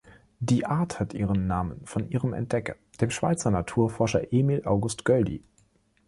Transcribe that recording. Die Art hat ihren Namen von ihrem Entdecker, dem Schweizer Naturforscher Emil August Goeldi.